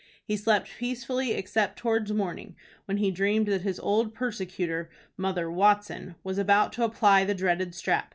He slept peacefully except towards morning, when he dreamed that his old persecutor, Mother Watson, was about to apply the dreaded strap.